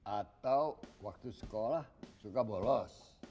atau waktu sekolah suka bolos